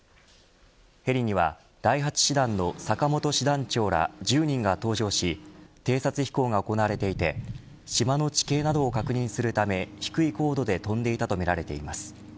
ヘリには第８師団の坂本師団長ら１０人が搭乗し偵察飛行が行われていて島の地形などを確認するため低い高度で飛んでいたとみられます。